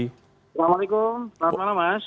assalamualaikum selamat malam mas